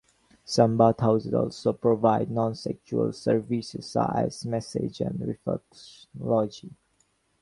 Some bathhouses also provide non-sexual services such as massage and reflexology.